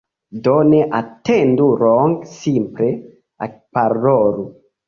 Do, ne atendu longe, simple Ekparolu!